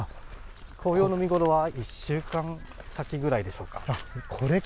紅葉の見頃は１週間先ぐらいでしょうか。